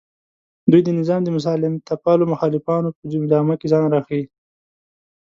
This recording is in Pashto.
دوی د نظام د مسالمتپالو مخالفانو په جامه کې ځان راښیي